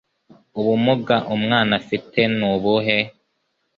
Ubumuga umwana afite nubuhe